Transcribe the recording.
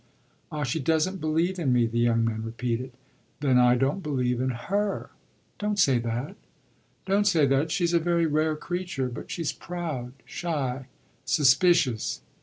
"Ah she doesn't believe in me," the young man repeated. "Then I don't believe in her." "Don't say that don't say that. She's a very rare creature. But she's proud, shy, suspicious."